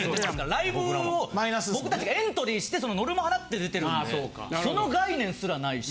ライブを僕達がエントリーしてノルマ払って出てるんでその概念すらないし。